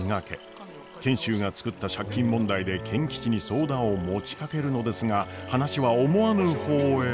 賢秀が作った借金問題で賢吉に相談を持ちかけるのですが話は思わぬ方へ。